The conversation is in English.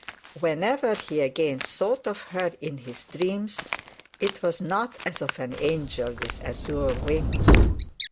Whenever he again thought of her in his dreams, it was not as of an angel with azure wings.